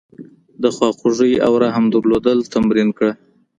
د خواخوږۍ او رحم درلودل تمرین کړه.